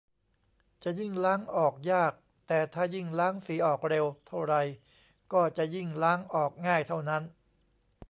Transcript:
จะยิ่งล้างออกยาก แต่ถ้ายิ่งล้างสีออกเร็วเท่าไร ก็จะยิ่งล้างออกง่ายเท่านั้น